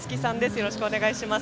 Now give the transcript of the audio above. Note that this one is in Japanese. よろしくお願いします。